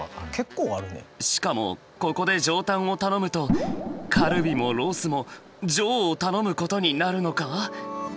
しかもここで上タンを頼むとカルビもロースも「上」を頼むことになるのか？